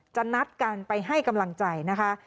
นัดกันไปให้กำลังใจนะคะ